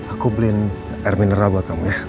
aku beliin air mineral buat kamu ya